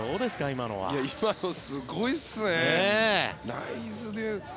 今のすごいっすね。